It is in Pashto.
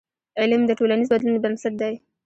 علم د ټولنیز بدلون بنسټ دی.